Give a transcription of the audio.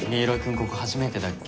ここ初めてだっけ？